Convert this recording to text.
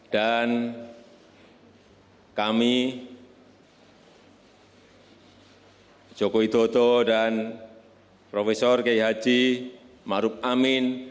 dan kami joko itoto dan profesor g h maruf amin